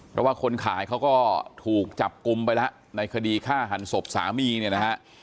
เพราะว่าคนขายเขาก็ถูกจับกลุ่มไปแล้วในคดีฆ่าหันศพสามีเนี่ยนะฮะ